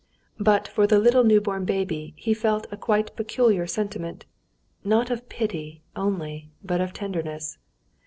But for the little newborn baby he felt a quite peculiar sentiment, not of pity, only, but of tenderness.